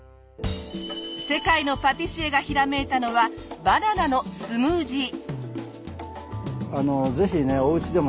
世界のパティシエがひらめいたのはバナナのスムージー。